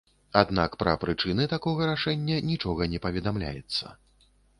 Аднак пра прычыны такога рашэння нічога не паведамляецца.